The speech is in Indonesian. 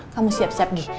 kamu siap dua gih